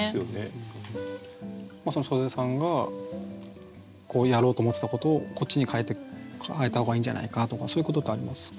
岨手さんがこうやろうと思ってたことをこっちに変えた方がいいんじゃないかとかそういうことってあります？